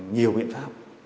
nhiều biện pháp